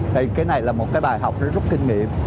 thì cái này là một cái bài học rất rút kinh nghiệm